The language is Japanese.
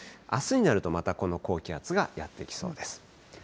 あすになるとまた、この高気圧がやって来そうです。